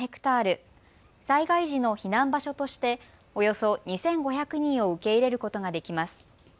災害時の避難場所としておよそ２５００人を受け入れることができます。